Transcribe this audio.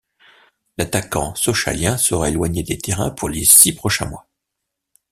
L'attaquant sochalien sera éloigné des terrains pour les six prochains mois.